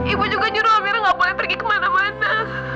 ibu juga nyuruh amir nggak boleh pergi kemana mana